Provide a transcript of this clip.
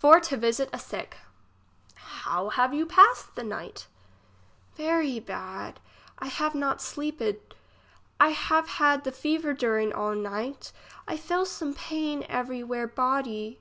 For to visit a sick. How have you passed the night ? Very bad. I have not sleeped ; I have had the fever during all night. I fell some pain every where body.